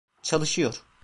Çalışıyor.